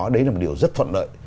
đấy là một điều rất thuận lợi